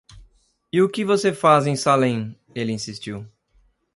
"E o que você faz em Salem?" ele insistiu.